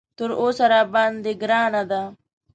تر اوسه راباندې ګرانه ده.